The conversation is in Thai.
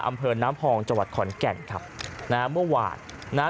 อำเภอน้ำพองจังหวัดขอนแก่นครับนะฮะเมื่อวานนะฮะ